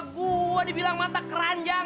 gua dibilang mata keranjang